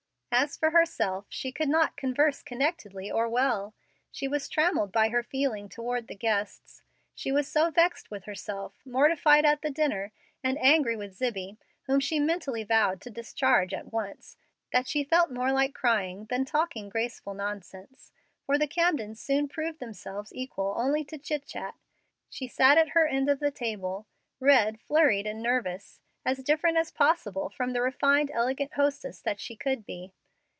As for herself, she could not converse connectedly or well. She was trammelled by her feeling toward the guests; she was so vexed with herself, mortified at the dinner, and angry with Zibbie, whom she mentally vowed to discharge at once, that she felt more like crying than talking graceful nonsense; for the Camdens soon proved themselves equal only to chit chat. She sat at her end of the table, red, flurried, and nervous, as different as possible from the refined, elegant hostess that she could be.